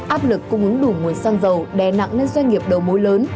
áp lực cung ứng đủ nguồn xăng dầu đè nặng lên doanh nghiệp đầu mối lớn